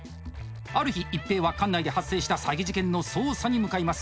ある日、一平は管内で発生した詐欺事件の捜査に向かいます。